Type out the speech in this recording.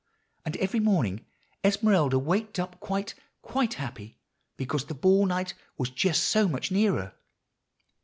And every morning Esmeralda waked up quite, quite happy, because the Ball night was just so much nearer.